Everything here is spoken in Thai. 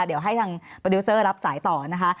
เดี๋ยวให้ทางโปรดิวเซอร์รับสายต่อนะคะ